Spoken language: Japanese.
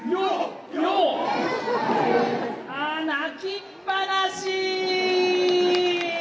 泣きっぱなし！